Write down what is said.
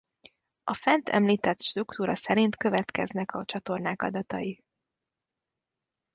A fent említett struktúra szerint következnek a csatornák adatai.